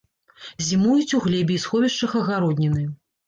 Зімуюць у глебе і сховішчах агародніны.